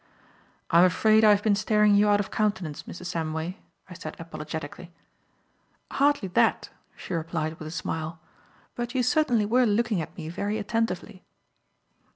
"I am afraid I have been staring you out of countenance, Mrs. Samway," I said apologetically. "Hardly that," she replied with a smile; "but you certainly were looking at me very attentively."